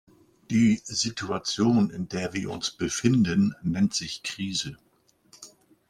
Die Situation, in der wir uns befinden, nennt sich Krise.